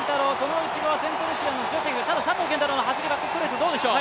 ただ佐藤拳太郎の走り、バックストレートはどうでしょう。